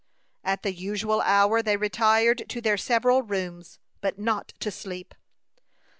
At the usual hour they retired to their several rooms, but not to sleep.